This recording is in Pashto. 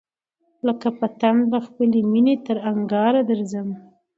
لکه پتڼ له خپلی مېني تر انگاره درځم